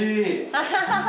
アハハハ！